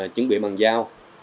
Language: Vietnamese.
chuẩn bị bàn giao